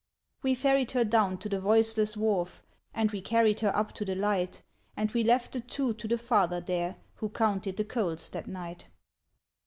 We ferried her down to the voiceless wharf. And we carried her up to the light ; And we left the two to the father there, Who counted the coals that night.